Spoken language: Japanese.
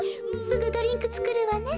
すぐドリンクつくるわね。